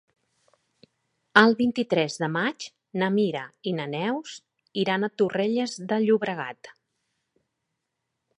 El vint-i-tres de maig na Mira i na Neus iran a Torrelles de Llobregat.